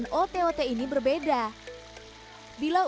nonk kan semua ada buat lite mouths sudah ada di sini